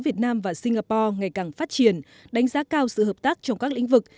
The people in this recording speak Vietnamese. việt nam và singapore ngày càng phát triển đánh giá cao sự hợp tác trong các lĩnh vực